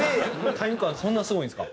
タイム感そんなすごいんですか？